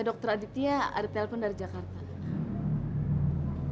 dokter aditya ada telepon dari jakarta